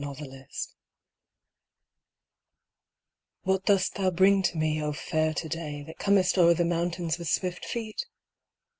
TO DAY What dost thou bring to me, O fair To day, That comest o'er the mountains with swift feet